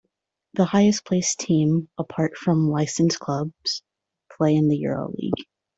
The highest-placed team, apart from licensed clubs, play in the EuroLeague.